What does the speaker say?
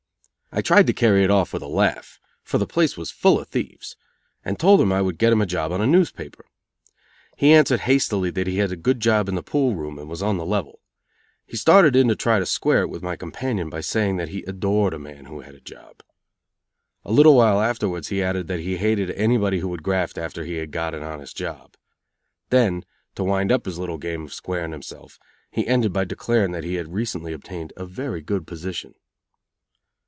I tried to carry it off with a laugh, for the place was full of thieves, and told him I would get him a job on a newspaper. He answered hastily that he had a good job in the pool room and was on the level. He started in to try to square it with my companion by saying that he "adored a man who had a job." A little while afterwards he added that he hated anybody who would graft after he had got an honest job. Then, to wind up his little game of squaring himself, he ended by declaring that he had recently obtained a very good position.